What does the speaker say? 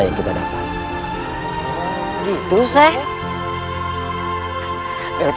yang kita dapat gitu saya